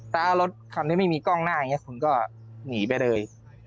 ถ้ารถคันนี้ไม่มีกล้องหน้าอย่างนี้คุณก็หนีไปเลย